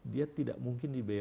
dia tidak mungkin dibiayai